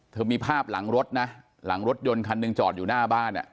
มีภาพหลังรถนะหลังรถยนต์คันหนึ่งจอดอยู่หน้าบ้าน